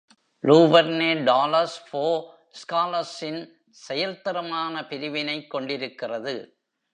Luverne dollars for ஸ்காலர்ஸின் செயல்திறமான பிரிவினைக் கொண்டிருக்கிறது.